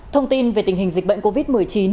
thông tin về tình hình dịch bệnh covid một mươi chín